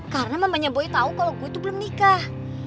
karena mamanya boy tau kalo gue itu belum nikah